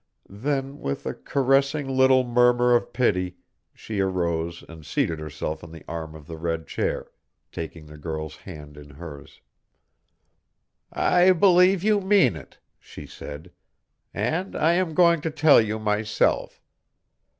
Then, with a caressing little murmur of pity, she arose and seated herself on the arm of the red chair, taking the girl's hand in hers. "I believe you mean it," she said, "and I am going to tell you myself.